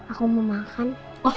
aku mau makan